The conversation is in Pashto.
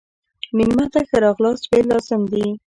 مېلمه ته ښه راغلاست ویل لازم دي.